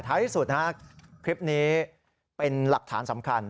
ที่สุดคลิปนี้เป็นหลักฐานสำคัญ